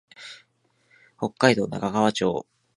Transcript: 北海道中川町